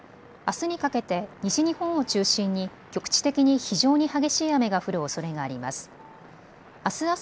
あすにかけて西日本を中心に局地的に非常に激しい雨が降るおそれがあります。